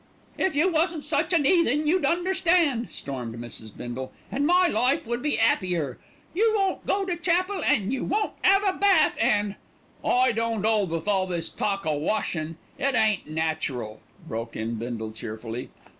"If you wasn't such an 'eathen you'd understand," stormed Mrs. Bindle, "and my life would be 'appier. You won't go to chapel, an' you won't 'ave a bath, and " "I don't 'old with all this talk o' washin'. It ain't natural," broke in Bindle cheerfully.